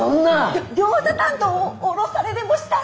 ギョギョーザ担当を降ろされでもしたら。